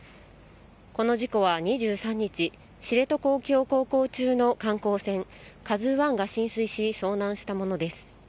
この事故は２３日、知床沖を航行中の観光船、カズワンが浸水し、遭難したものです。